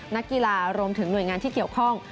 นักกีฬารวมถึงหน่วยงานที่เกี่ยวข้อง